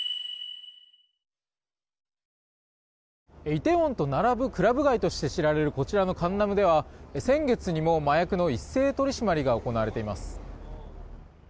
イテウォンと並ぶクラブ街として知られるこちらのカンナムでは先月にも麻薬の一斉取り締まりが行われています。